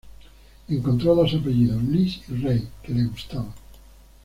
Encontró dos apellidos, Lys y Rey, que le gustaban.